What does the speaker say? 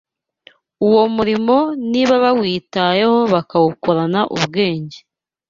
uwo murimo niba bawitayeho bakawukorana ubwenge